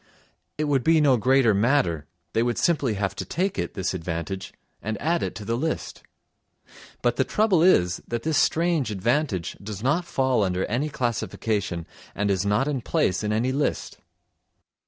It would be no greater matter, they would simply have to take it, this advantage, and add it to the list. But the trouble is, that this strange advantage does not fall under any classification and is not in place in any list.